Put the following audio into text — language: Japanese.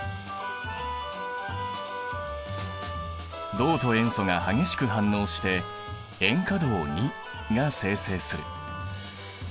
銅と塩素が激しく反応して塩化銅が生成する。